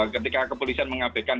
ketika kepolisian mengabaikan